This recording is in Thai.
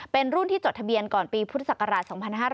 เป็นรุ่นที่จดทะเบียนก่อนปีพุทธศักราช๒๕๕๙